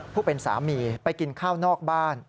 ผู้เป็นสามีไปกินข้าวนอกบ้าน